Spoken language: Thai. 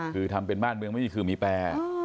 คือทำเป็นบ้านเมืองไม่มีคือมีแปร